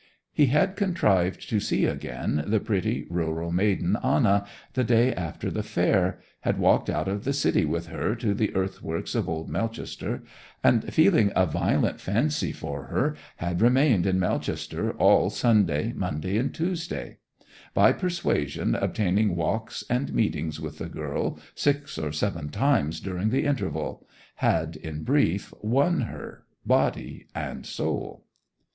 He had contrived to see again the pretty rural maiden Anna, the day after the fair, had walked out of the city with her to the earthworks of Old Melchester, and feeling a violent fancy for her, had remained in Melchester all Sunday, Monday, and Tuesday; by persuasion obtaining walks and meetings with the girl six or seven times during the interval; had in brief won her, body and soul.